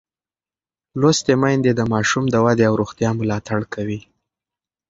لوستې میندې د ماشوم د ودې او روغتیا ملاتړ کوي.